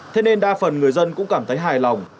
thế nên đa phần người dân cũng cảm thấy hài lòng